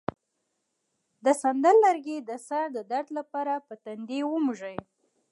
د سندل لرګی د سر د درد لپاره په تندي ومښئ